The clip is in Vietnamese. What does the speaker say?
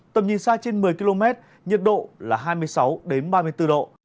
tầm nhìn xa trên một mươi km nhiệt độ là hai mươi sáu ba mươi bốn độ